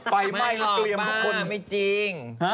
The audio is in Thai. ไฟไหมลักเลี่ยมทุกคนแม่หลอกมากไม่จริง